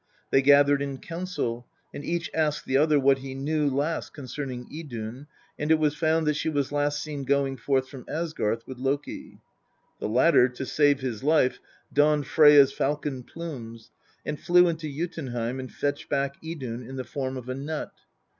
They gathered in council, and each asked the other what he knew last concerning Idun, and it was found that she was last seen going forth from Asgarth with Loki." The latter, to save his life, donned Freyja's falcon plumes and flew into Jotunheim, and fetched back Idun in the form of a nut.